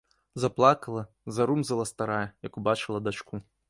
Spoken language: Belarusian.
Заплакала, зарумзала старая, як убачыла дачку.